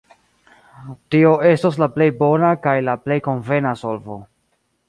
Tio estos la plej bona kaj la plej konvena solvo.